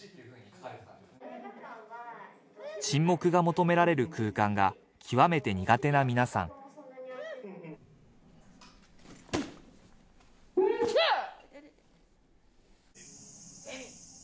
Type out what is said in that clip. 沈黙が求められる空間が極めて苦手な皆さんさあっ！